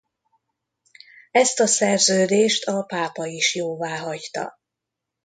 Ezt a szerződést a pápa is jóváhagyta.